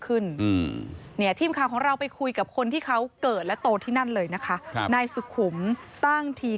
ขึ้นอืมเนี่ยทีมข่าวของเราไปคุยกับคนที่เขาเกิดและโตที่นั่นเลยนะคะครับนายสุขุมตั้งที